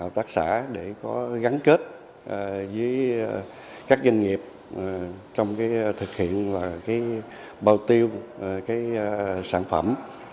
hợp tác xã để có gắn kết với các doanh nghiệp trong thực hiện bao tiêu sản phẩm